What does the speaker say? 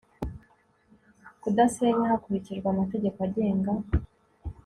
kudasenya hakurikijwe amategeko agenga